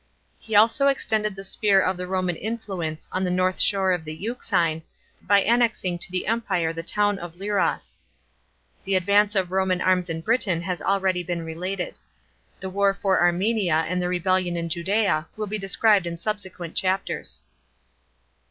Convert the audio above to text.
He also extended the sphere of Roman influence on the north shore of the Euxine by annexing to the Empire the town of '. yras. The advance of Roman arms in Britain has already been related. The war for Armenia and the rebellion in Judea will be described in subsequent chapters.